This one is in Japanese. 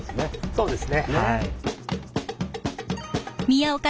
そうです。